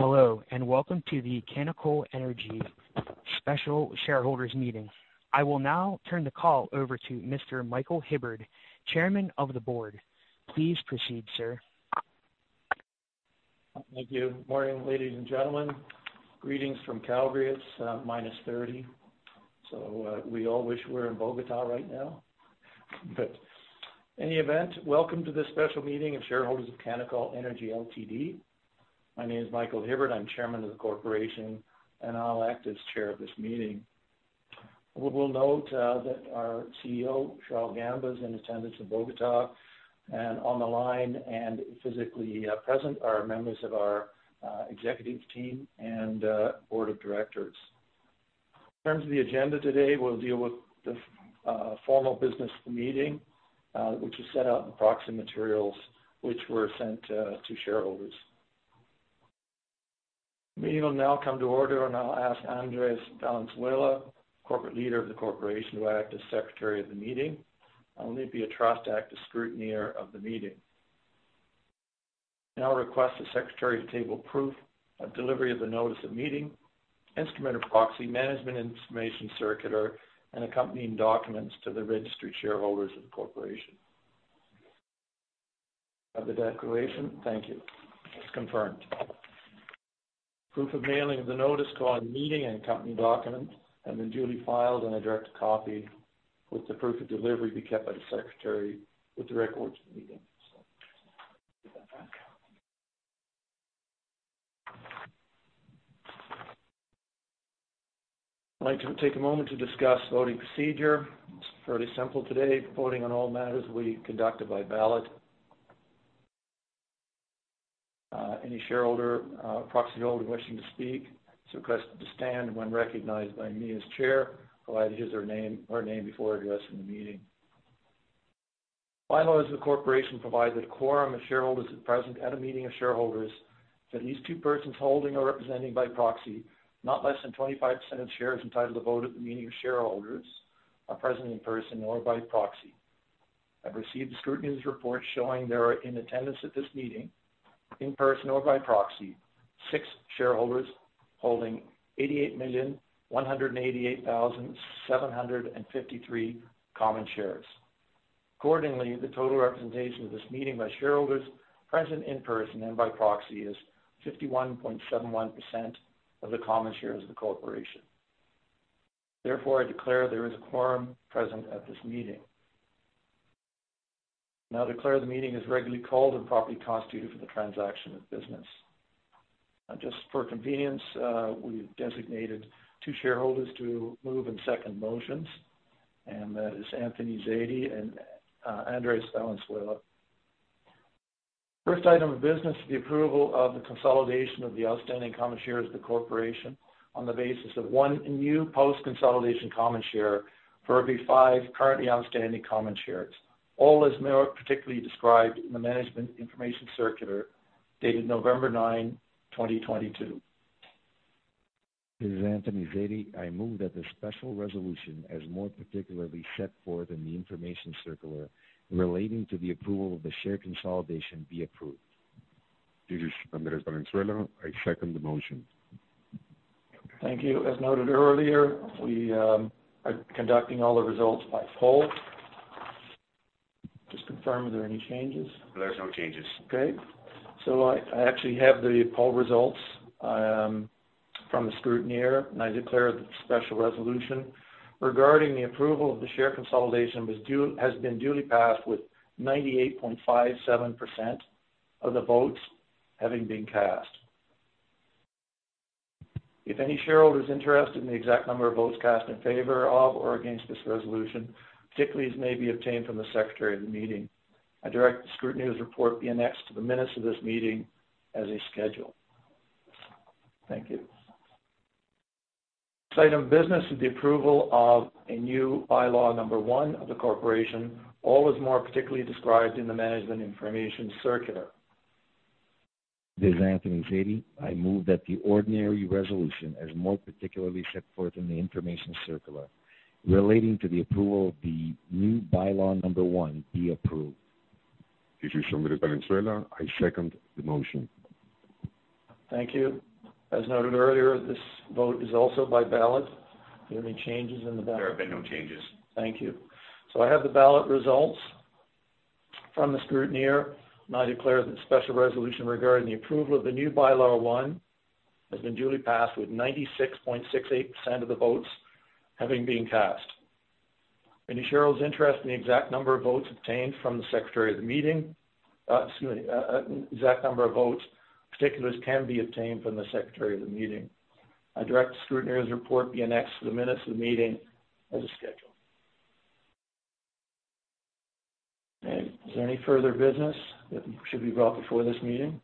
Hello and welcome to the Canacol Energy special shareholders meeting. I will now turn the call over to Mr. Michael Hibberd, Chairman of the Board. Please proceed, sir. Thank you. Morning, ladies and gentlemen. Greetings from Calgary. It's -30, so we all wish we were in Bogotá right now. Any event, welcome to this special meeting of shareholders of Canacol Energy Ltd. My name is Michael Hibberd, I'm Chairman of the Corporation, and I'll act as Chair of this meeting. We will note that our CEO, Charle Gamba, is in attendance in Bogotá and on the line and physically present are members of our Executive Team and Board of Directors. In terms of the agenda today, we'll deal with the formal business meeting, which is set out in the proxy materials, which were sent to shareholders. Meeting will now come to order and I'll ask Andrés Valenzuela Pachón, Corporate Leader of the Corporation, to act as Secretary of the meeting, and Computershare to act as scrutineer of the meeting. Now I request the Secretary to table proof of delivery of the notice of meeting, instrument of proxy, Management Information Circular, and accompanying documents to the registered shareholders of the corporation. Of the declaration, thank you. It's confirmed. Proof of mailing of the notice of meeting and accompanying documents have been duly filed, and a direct copy with the proof of delivery be kept by the Secretary with the records of the meeting. Give that back. I'd like to take a moment to discuss voting procedure. It's fairly simple today. Voting on all matters will be conducted by ballot. Any shareholder, proxyholder wishing to speak is requested to stand when recognized by me as Chair, provide his or her name before addressing the meeting. Bylaws of the Corporation provide that a quorum of shareholders is present at a meeting of shareholders, that at least two persons holding or representing by proxy, not less than 25% of shares entitled to vote at the meeting of shareholders are present in person or by proxy. I've received the Scrutineer's Report showing they are in attendance at this meeting in person or by proxy, six shareholders holding 88,188,753 Common Shares. Accordingly, the total representation of this Meeting by shareholders present in person and by proxy is 51.71% of the Common Shares of the Corporation. Therefore, I declare there is a quorum present at this meeting. Now I declare the meeting is regularly called and properly constituted for the transaction of business. Just for convenience, we've designated two shareholders to move and second motions, and that is Anthony Zaidi and Andrés Valenzuela Pachón. First item of business is the approval of the consolidation of the outstanding common shares of the corporation on the basis of one new post-consolidation common share for every five currently outstanding common shares. All is particularly described in the Management Information circular dated November 9, 2022. This is Anthony Zaidi. I move that the special resolution, as more particularly set forth in the information circular relating to the approval of the share consolidation, be approved. This is Andrés Valenzuela Pachón. I second the motion. Thank you. As noted earlier, we are conducting all the results by poll. Just confirm, are there any changes? There's no changes. Okay. I actually have the poll results from the scrutineer, and I declare the special resolution regarding the approval of the share consolidation has been duly passed with 98.57% of the votes having been cast. If any shareholder is interested in the exact number of votes cast in favor of or against this resolution, particulars may be obtained from the Secretary of the meeting. I direct the scrutineer's report be annexed to the minutes of this meeting as a schedule. Thank you. Next item of business is the approval of a new By-Law No. 1 of the corporation. All is more particularly described in the management information circular. This is Anthony Zaidi. I move that the ordinary resolution, as more particularly set forth in the information circular relating to the approval of the new By-Law No. 1, be approved. This is Andrés Valenzuela Pachón. I second the motion. Thank you. As noted earlier, this vote is also by ballot. Are there any changes in the ballot? There have been no changes. Thank you. I have the ballot results from the scrutineer, and I declare the special resolution regarding the approval of the new By-Law No. 1 has been duly passed with 96.68% of the votes having been cast. Any shareholder who's interested in the exact number of votes obtained from the Secretary of the meeting, excuse me, exact number of votes, particulars can be obtained from the Secretary of the meeting. I direct the scrutineer's report be annexed to the minutes of the meeting as a schedule. Okay. Is there any further business that should be brought before this meeting?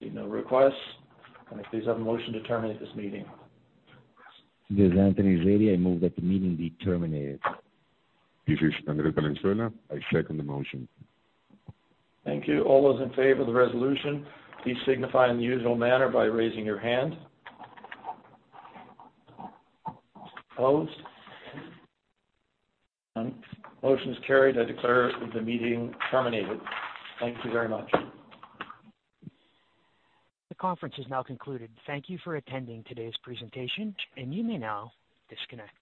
Seeing no requests, can I please have a motion to terminate this meeting? This is Anthony Zaidi. I move that the meeting be terminated. This is Andrés Valenzuela Pachón. I second the motion. Thank you. All those in favor of the resolution, please signify in the usual manner by raising your hand. Opposed? Motion's carried. I declare the meeting terminated. Thank you very much. The conference has now concluded. Thank you for attending today's presentation, and you may now disconnect.